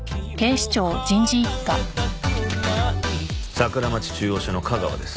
桜町中央署の架川です。